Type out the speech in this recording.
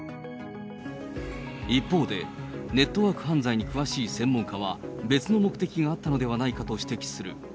一方で、ネットワーク犯罪に詳しい専門家は、別の目的があったのではないかと指摘する。